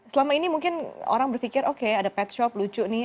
selama ini mungkin orang berpikir oke ada pet shop lucu nih